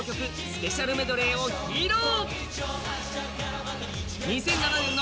スペシャルメドレーを披露。